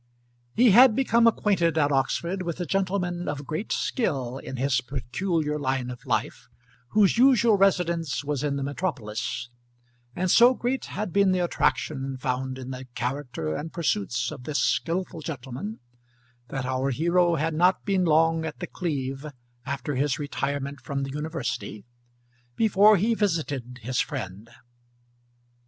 He had become acquainted at Oxford with a gentleman of great skill in his peculiar line of life, whose usual residence was in the metropolis; and so great had been the attraction found in the character and pursuits of this skilful gentleman, that our hero had not been long at The Cleeve, after his retirement from the university, before he visited his friend.